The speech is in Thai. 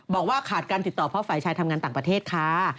บอกว่าขาดการติดต่อเพราะฝ่ายชายทำงานต่างประเทศค่ะ